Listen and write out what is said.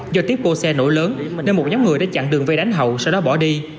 do tiếp cô xe nổi lớn nên một nhóm người đã chặn đường về đánh hậu sau đó bỏ đi